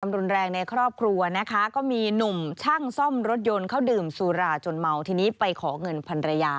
รุนแรงในครอบครัวนะคะก็มีหนุ่มช่างซ่อมรถยนต์เขาดื่มสุราจนเมาทีนี้ไปขอเงินพันรยา